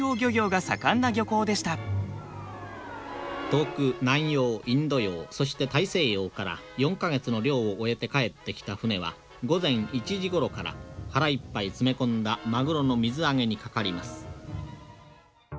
遠く南洋インド洋そして大西洋から４か月の漁を終えて帰ってきた船は午前１時頃から腹いっぱい詰め込んだマグロの水揚げにかかります。